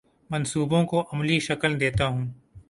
منصوبوں کو عملی شکل دیتا ہوں